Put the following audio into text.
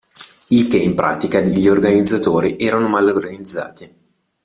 Il che in pratica gli organizzatori erano mal organizzati.